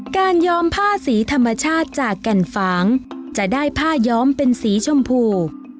ยอมผ้าสีธรรมชาติจากแก่นฝางจะได้ผ้าย้อมเป็นสีชมพู